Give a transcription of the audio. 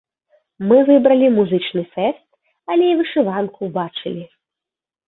Мы выбралі музычны фэст, але і вышыванку ўбачылі.